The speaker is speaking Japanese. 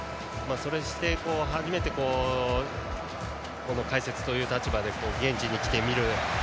そして、初めてこの解説ということで現地に来て見る。